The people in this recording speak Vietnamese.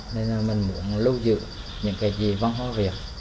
nên là mình muốn lưu giữ những cái gì văn hóa việt